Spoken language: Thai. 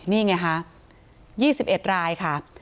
นี่ไงคะ๒๑รายค่ะ